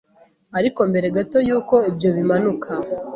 Ariko mbere gato yuko ibyo bimanuka